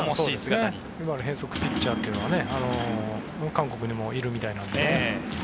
今の変則ピッチャーというのは韓国にもいるみたいなので。